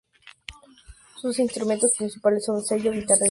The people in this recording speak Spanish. Sus instrumentos principales son cello, guitarra y voz.